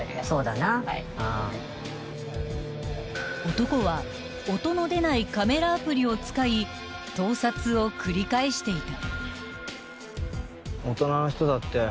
［男は音の出ないカメラアプリを使い盗撮を繰り返していた］